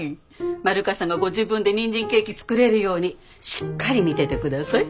丸川さんがご自分でにんじんケーキ作れるようにしっかり見てて下さい。